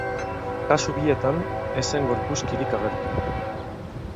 Kasu bietan, ez zen gorpuzkirik agertu.